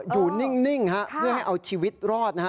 อยู่นิ่งเพื่อให้ชีวิตรอด